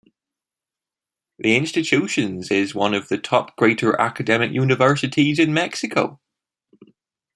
The institution is one of the top greater academic universities in Mexico.